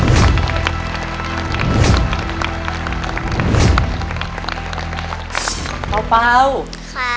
ปีหน้าหนูต้อง๖ขวบให้ได้นะลูก